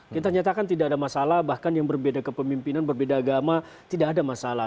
kita nyatakan tidak ada masalah bahkan yang berbeda kepemimpinan berbeda agama tidak ada masalah